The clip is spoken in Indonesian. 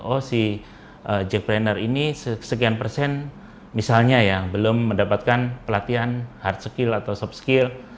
oh si jack planner ini sekian persen misalnya ya belum mendapatkan pelatihan hard skill atau soft skill